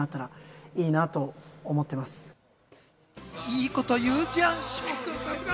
いいこと言うじゃん紫耀くん。